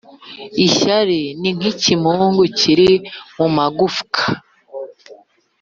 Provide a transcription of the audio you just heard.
ishyari ni nk’ikimungu kiri mu magufwa